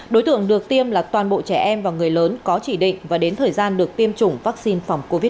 đối tượng được tiêm là toàn bộ trẻ em và người lớn có chỉ định và đến thời gian được tiêm chủng vaccine phòng covid một mươi chín